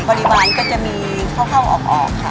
บริวารก็จะมีเข้าออกค่ะ